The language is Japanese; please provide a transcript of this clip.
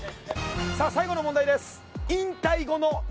さあ最後の問題です。